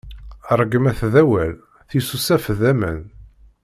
Rregmat d awal, tisusaf d aman.